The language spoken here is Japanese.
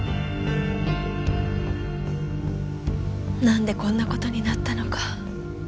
なんでこんな事になったのか。